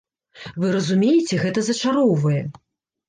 Вы разумееце, гэта зачароўвае!